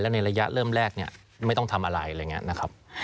ในระยะเริ่มแรกเนี่ยไม่ต้องทำอะไรอะไรอย่างนี้นะครับ